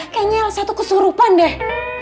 kayaknya elsa tuh kesurupan deh